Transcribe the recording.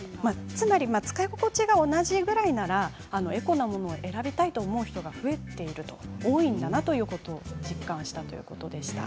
つまり使い心地が同じぐらいならエコなものを使いたいという人が増えていると実感したということでした。